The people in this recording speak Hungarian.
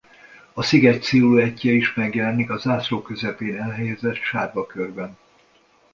A sziget sziluettje is megjelenik a zászló közepén elhelyezett sárga körben.